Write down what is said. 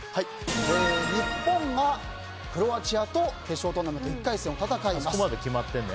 日本はクロアチアと決勝トーナメント１回戦を戦います。